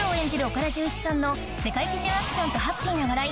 岡田准一さんの世界基準アクションとハッピーな笑い